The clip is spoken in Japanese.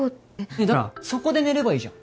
ねぇだったらそこで寝ればいいじゃん。